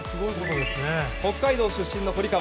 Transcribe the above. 北海道出身の堀川。